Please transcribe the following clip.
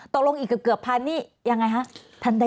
ตรงลงอีกเกือบพันธุ์นี้ยังไงครับ